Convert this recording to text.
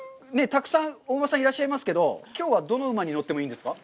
たくさんお馬さんいらっしゃいますけど、きょうはどの馬に乗ってもいいんですか？